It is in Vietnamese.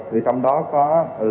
vì trong đó có lĩnh vực